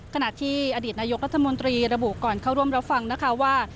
ขณะที่อดีตนายกรัฐมนตรีระบุก่อนเข้าร่วมรับฟังนะคะว่า